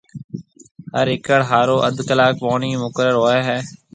هر ايڪڙ هارون اڌ ڪلاڪ پوڻِي مقرر هوئي هيَ۔